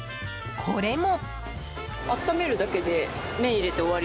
これも。